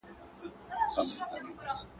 بیا دي څه الهام د زړه په ښار کي اورېدلی دی. .